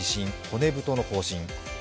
骨太の方針。